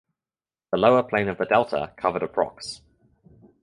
The lower plain of the delta covered approx.